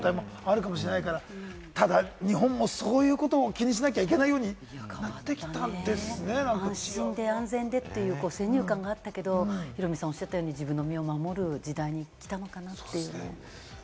悲鳴もひょっとしたら聞こえないぐらいの状況もあるかもしれないから、ただ日本もそういうことを気にしなきゃいけないふうになってきた安心で安全でという先入観があったけれども、ヒロミさんがおっしゃったように自分の身を守る時代に来たのかなというね。